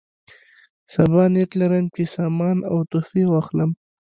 صبا نیت لرم چې سامان او تحفې واخلم.